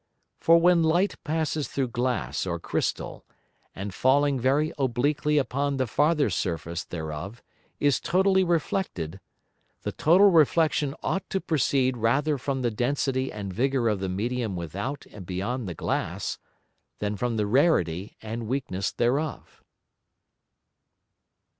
For when Light passes through Glass or Crystal, and falling very obliquely upon the farther Surface thereof is totally reflected, the total Reflexion ought to proceed rather from the density and vigour of the Medium without and beyond the Glass, than from the rarity and weakness thereof.